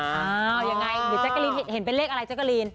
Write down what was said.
อ่ายังไงเป็นเลขไรแจ๊กกะลิน